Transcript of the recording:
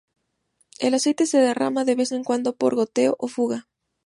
El aceite se derrama de vez en cuando por goteo o fuga.